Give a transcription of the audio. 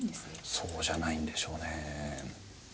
そうじゃないんでしょうね。